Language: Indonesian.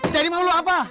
jadi mau lu apa